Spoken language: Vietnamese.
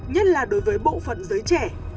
nhất là đối với bộ phận giới trẻ